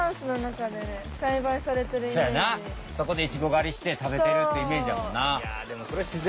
そこでイチゴがりしてたべてるってイメージやもんな。